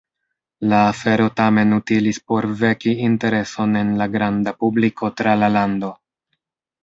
La afero tamen utilis por veki intereson en la granda publiko tra la lando.